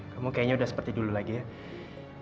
kamu kayaknya udah seperti dulu lagi ya